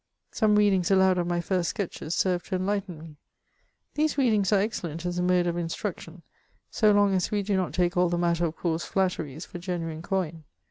Some readings aloud of my first sketches served to enlighten me. These readings are excellent as a mode of instruction, so long as we do not take all the matter of course flatteries for genuine coin.